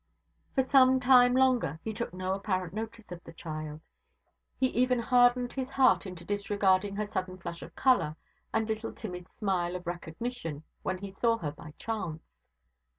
For some time longer he took no apparent notice of the child. He even hardened his heart into disregarding her sudden flush of colour and little timid smile of recognition, when he saw her by chance.